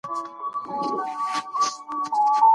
د اقتصادي پرمختګ په اړه څېړنې ترسره کولې.